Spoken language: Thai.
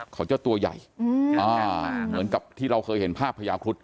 เขาจะตัวใหญ่เหมือนกับที่เราเคยเห็นภาพพญาครุฑ